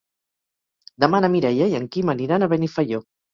Demà na Mireia i en Quim aniran a Benifaió.